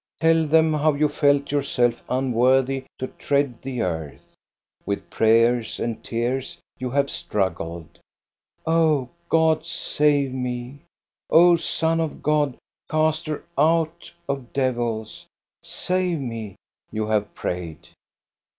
Tell them how you felt yourself unworthy to tread the earth. With prayers and tears you have struggled. " O God, save me ! O Son of God, caster out of devils, save me !" you have prayed.